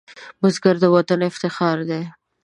بزګر د وطن افتخار دی